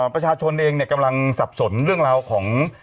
ประชาชนเองกำลังสับสนเรื่องราวของ